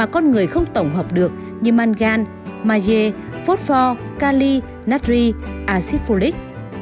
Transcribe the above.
được tổng hợp được như mangan maje phosphor kali natri axit folic